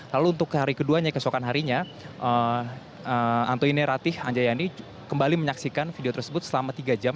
lalu untuk hari keduanya kesokan harinya antoine ratih anjayani kembali menyaksikan video tersebut selama tiga jam